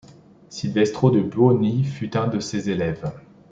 Silvestro de Buoni fut un de ses élèves.